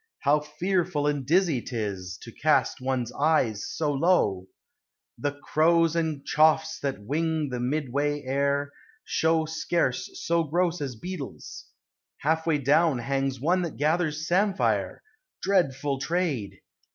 How fearful And dizzy 't is, to cast one's eyes so low ! The crows and choughs that wing the midway air Show scarce so gross as beetles : half way down Hangs one that gathers samphire, — dreadful trade